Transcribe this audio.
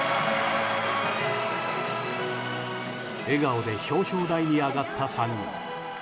笑顔で表彰台に上がった３人。